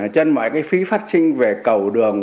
trên mọi cái phí phát sinh về cầu đường